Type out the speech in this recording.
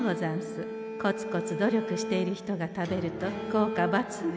コツコツ努力している人が食べると効果抜群！